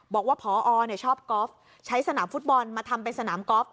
บอกว่าพอชอบกอล์ฟใช้สนามฟุตบอลมาทำเป็นสนามกอล์ฟ